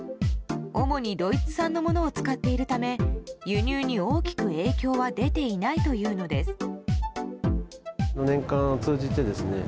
主にドイツ産のものを使っているため輸入に大きく影響は出ていないというのです。